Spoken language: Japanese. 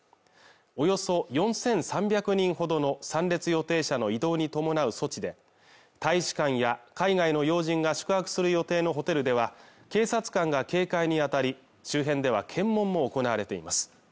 およそ４３００人ほどの参列予定者の移動に伴う措置で大使館や海外の要人が宿泊する予定のホテルでは警察官が警戒に当たり周辺では検問も行われています